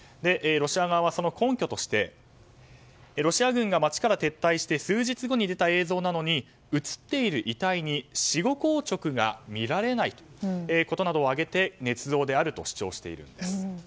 ロシア側はその根拠としてロシア軍が街から撤退して数日後に出た映像なのに写っている遺体に死後硬直が見られないことなどを挙げてねつ造であると主張しているんです。